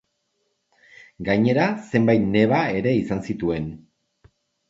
Gainera zenbait neba ere izan zituen.